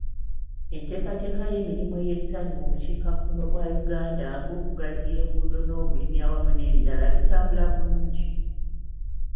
Enteekateeka y'emirimu ey'essanyu mu bukiikakkono bwa Uganda nga okugaziya enguudo n'obulimi awamu n'ebirala, bitambula bulungi.